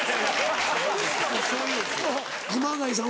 熊谷さん